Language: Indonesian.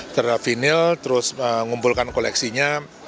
tervinyl terus mengumpulkan koleksinya